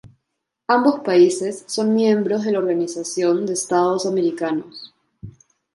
Ambos países son miembros de la Organización de Estados Americanos.